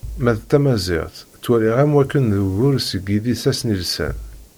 Ma d Tamaziɣt, ttwaliɣ am wakken d ugur seg yidis asnilsan.